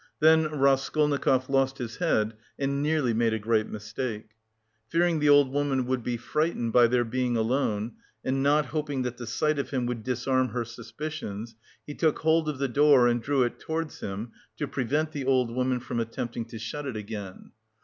Then Raskolnikov lost his head and nearly made a great mistake. Fearing the old woman would be frightened by their being alone, and not hoping that the sight of him would disarm her suspicions, he took hold of the door and drew it towards him to prevent the old woman from attempting to shut it again.